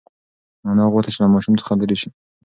انا غوښتل چې له ماشوم څخه لرې شي.